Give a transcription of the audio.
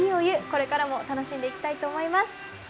これからも楽しんでいきたいと思います。